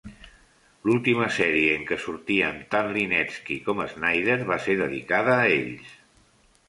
L'última sèrie en què sortien tant Linetsky com Schneider va ser dedicada a ells.